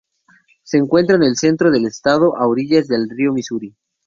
Se encuentra en el centro del estado, a orillas del río Misuri.